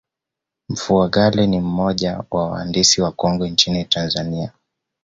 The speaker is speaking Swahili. mfugale ni moja ya waandisi wakongwe nchini tanzania